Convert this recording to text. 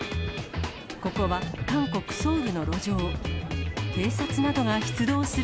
ここは韓国・ソウルの路上。